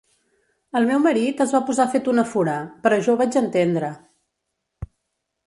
El meu marit es va posar fet una fura, però jo ho vaig entendre.